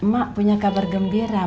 mak punya kabar gembira